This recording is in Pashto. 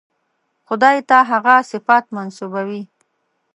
خدای ته هغه صفات منسوبوي.